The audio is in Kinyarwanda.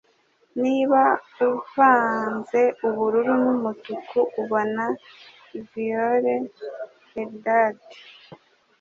Niba uvanze ubururu n'umutuku, ubona violet. (Eldad)